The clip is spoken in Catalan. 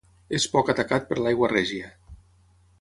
És poc atacat per l'aigua règia.